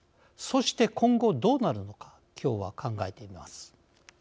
そして、今後どうなるのか今日は考えてみます。